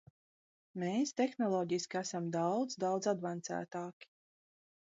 Mēs tehnoloģiski esam daudz, daudz advancētāki.